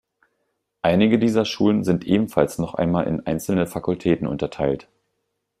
Einige dieser Schulen sind ebenfalls noch einmal in einzelne Fakultäten unterteilt.